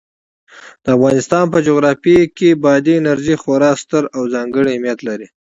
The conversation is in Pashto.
د افغانستان په جغرافیه کې بادي انرژي خورا ستر او ځانګړی اهمیت لري.